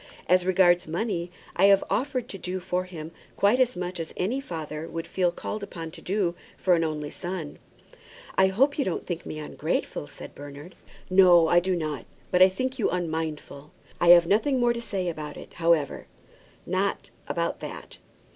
As regards money, I have offered to do for him quite as much as any father would feel called upon to do for an only son." "I hope you don't think me ungrateful," said Bernard. "No, I do not; but I think you unmindful. I have nothing more to say about it, however; not about that.